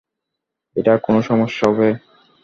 এটা কোনো সমস্যা হবে?